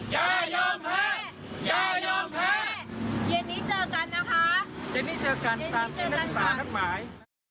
เจอกันนะคะเจนี่เจอกันสารทักหมาย